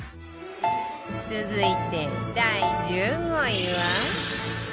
続いて第１５位は